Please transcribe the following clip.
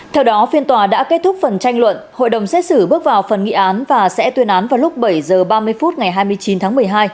theo đó phiên tòa đã kết thúc phần tranh luận hội đồng xét xử bước vào phần nghị án và sẽ tuyên án vào lúc bảy h ba mươi phút ngày hai mươi chín tháng một mươi hai